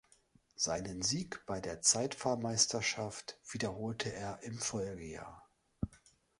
Seinen Sieg bei der Zeitfahrmeisterschaft wiederholte er im Folgejahr.